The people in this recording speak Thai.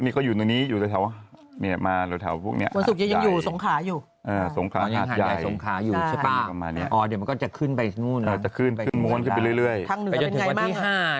นี่ก็อยู่ตรงนี้อยู่ตรงแถวนี้มาตรงแถวพวกนี้